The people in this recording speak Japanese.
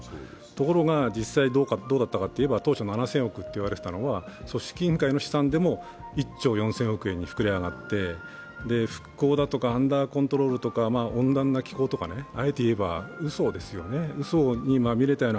ところが、実際どうだったかというば、当初７０００億円と言われていたのが、組織委員会の試算でも１兆４０００億円に膨れ上がって復興だとかアンダーコントロールとか、温暖な機構とか、あえて言えば、うそですよね。